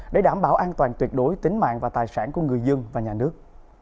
để đảm bảo an toàn tuyệt đối tính mạng và tài sản của người dân và nhà nước